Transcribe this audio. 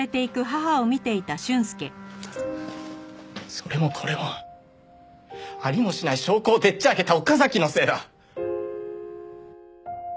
それもこれもありもしない証拠をでっちあげた岡崎のせいだ！